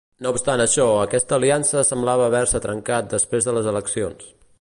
No obstant això, aquesta aliança sembla haver-se trencat després de les eleccions.